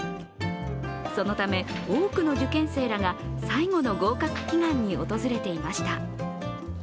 そのため、多くの受験生らが最後の合格祈願に訪れていました。